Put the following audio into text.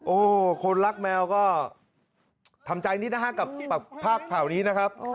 โอ้โหคนรักแมวก็ทำใจนิดนะฮะกับภาพข่าวนี้นะครับ